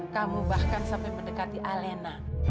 kamu bahkan sampai mendekati alena